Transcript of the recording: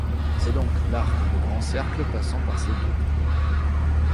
C'est donc l'arc de grand cercle passant par ces deux points.